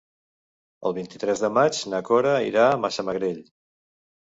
El vint-i-tres de maig na Cora irà a Massamagrell.